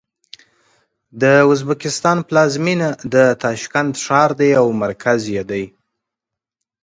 د ازبکستان پلازمېنه د تاشکند ښار دی او مرکز یې دی.